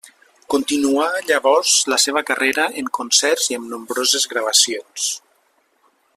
Continuà llavors la seva carrera en concerts i amb nombroses gravacions.